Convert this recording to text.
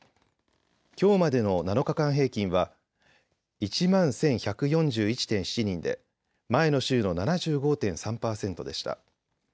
きょうまでの７日間平均は１万１１４１．７人で前の週の７５．３％でした。